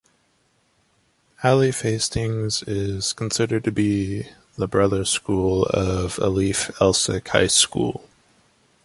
Alief Hastings is considered to be the brother school of Alief Elsik High School.